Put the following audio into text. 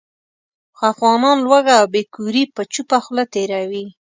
خو افغانان لوږه او بې کوري په چوپه خوله تېروي.